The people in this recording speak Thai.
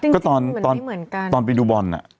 ก็ตอนไปดูบอล